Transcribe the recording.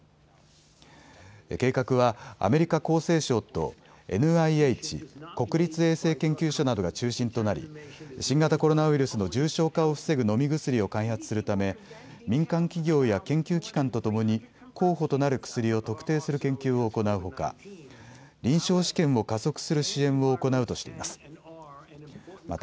計画はアメリカ厚生省とＮＩＨ・国立衛生研究所などが中心となり新型コロナウイルスの重症化を防ぐ飲み薬を開発するため民間企業や研究機関とともに候補となる薬を特定する研究を行うほか臨床試験を加速する支援を行うとしています。